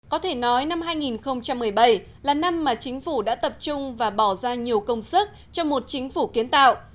có thể nói năm hai nghìn một mươi bảy là năm mà chính phủ đã tập trung và bỏ ra nhiều công sức cho một chính phủ kiến tạo